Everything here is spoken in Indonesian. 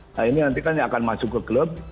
nah ini nanti kan yang akan masuk ke klub